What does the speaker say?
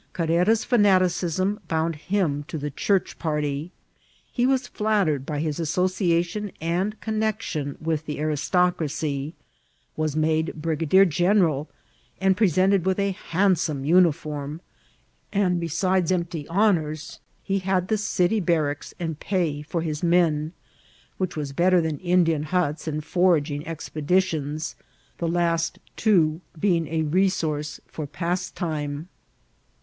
Car rera's fanaticism bound him to the Church party; he ' was flattered by his association and connexion with the aristocracy, was made brigadier*general, and present ed with a handsome uniform ; and, besides empty hon^ ours, he had the city barracks and pay for his men, which was better than Indian huts and foraging expe ditions ; the last, too, being a resource for pastime.